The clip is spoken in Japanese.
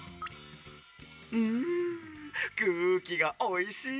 んくうきがおいしい！